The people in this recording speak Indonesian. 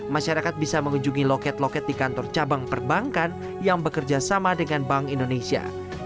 masyarakat bisa mengunjungi loket loket di kantor cabang perbankan yang bekerja sama dengan bank indonesia